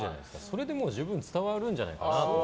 それで十分伝わるんじゃないかなと。